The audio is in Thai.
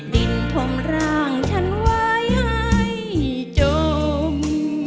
ดินทงร่างฉันไว้ให้จม